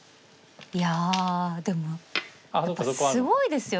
いやでもやっぱりすごいですよね。